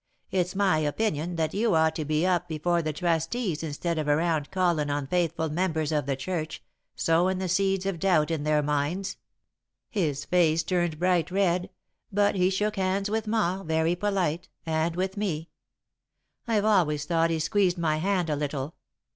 'It's my opinion that you ought to be up before the trustees instead of around callin' on faithful members of the church, sowin' the seeds of doubt in their minds.'" "His face turned bright red, but he shook hands with Ma, very polite, and with me. I've always thought he squeezed my hand a little.